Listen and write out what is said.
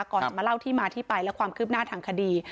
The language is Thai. ก่อนจะมาเล่าที่มาที่ไปและความคืบหน้าทางคดี